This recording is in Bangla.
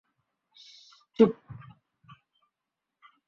শশশশ্, চুপ।